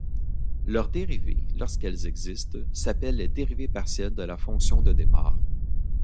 Leurs dérivées, lorsqu'elles existent, s'appellent les dérivées partielles de la fonction de départ.